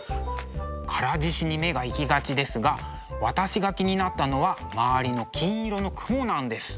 唐獅子に目が行きがちですが私が気になったのは周りの金色の雲なんです。